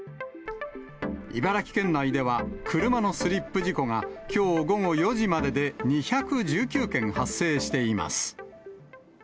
茨城県内では、車のスリップ事故がきょう午後４時までで、２１９件発生しています。